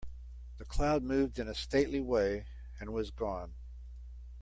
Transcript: The cloud moved in a stately way and was gone.